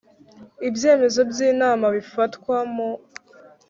Ibyemezo by inama bifatwa mu